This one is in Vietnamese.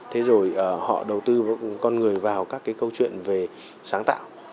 thế rồi họ đầu tư con người vào các cái câu chuyện về sáng tạo